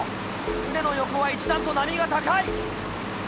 船の横は一段と波が高い。